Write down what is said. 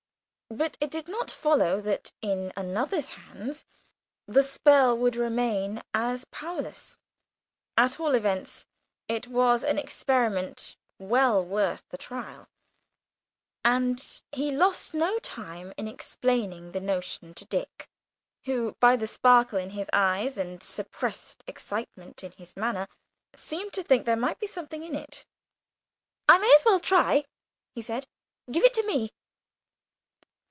But it did not follow that in another's hands the spell would remain as powerless. At all events, it was an experiment well worth the trial, and he lost no time in explaining the notion to Dick, who, by the sparkle in his eyes and suppressed excitement in his manner, seemed to think there might be something in it. "I may as well try," he said, "give it to me."